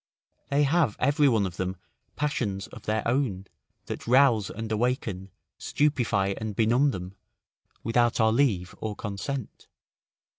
They have every one of them passions of their own, that rouse and awaken, stupefy and benumb them, without our leave or consent.